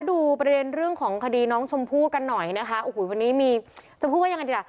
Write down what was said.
ดูประเด็นเรื่องของคดีน้องชมพู่กันหน่อยนะคะโอ้โหวันนี้มีจะพูดว่ายังไงดีล่ะ